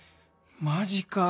マジかー